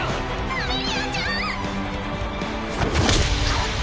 アメリアちゃん！